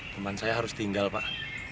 teman saya harus tinggal pak